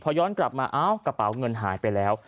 พอย้อนกลับมาเอ้ากระเป๋าเงินหายไปแล้ว